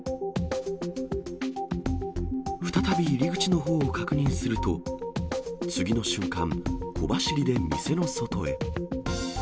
再び入り口のほうを確認すると、次の瞬間、小走りで店の外へ。